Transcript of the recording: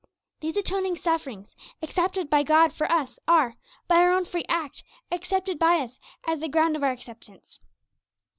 These atoning sufferings, accepted by God for us, are, by our own free act, accepted by us as the ground of our acceptance.